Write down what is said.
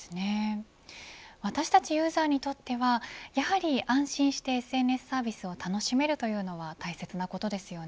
私たちユーザーにとってはやはり安心してＳＮＳサービスを楽しめるというのは大切なことですよね。